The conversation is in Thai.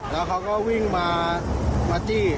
แล้วเขาก็วิ่งมาจี้